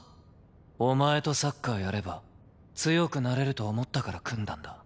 お前とサッカーやれば強くなれると思ったから組んだんだ。